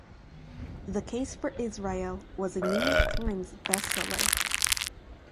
"The Case for Israel" was a "New York Times" bestseller.